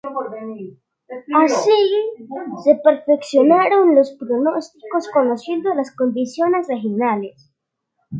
Así, se perfeccionaron los pronósticos conociendo las condiciones regionales.